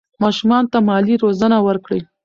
ماشومانو ته مالي روزنه ورکړئ.